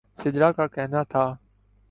سدرا کا کہنا تھا